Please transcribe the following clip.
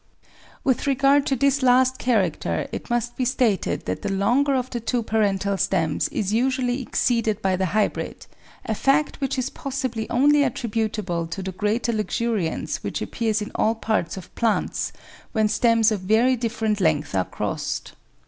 With regard to this last character it must be stated that the longer of the two parental stems is usually exceeded by the hybrid, a fact which is possibly only attributable to the greater luxuriance which appears in all parts of plants when stems of very different length are crossed.